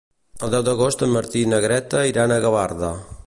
El deu d'agost en Martí i na Greta iran a Gavarda.